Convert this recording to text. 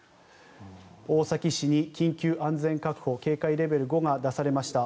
大崎市に緊急安全確保警戒レベル５が出されました。